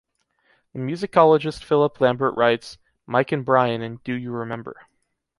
The musicologist Philip Lambert writes: "Mike and Brian in 'Do You Remember?